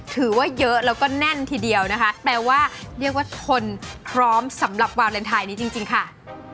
ถือว่าเยอะแล้วก็แน่นทีเดียวนะคะแปลว่าเรียกว่าทนพร้อมสำหรับวาเลนไทยนี้จริงค่ะ